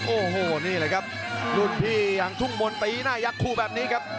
โอ้โหนี่แหละครับรุ่นพี่อย่างทุ่งมนต์ตีหน้ายักษ์คู่แบบนี้ครับ